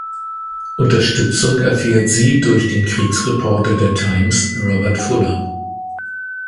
Unterstützung erfährt sie durch den Kriegsreporter der Times, Robert Fuller.